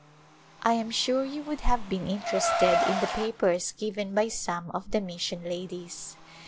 I am sure you would have been interested in the papers given by some of the mission ladies.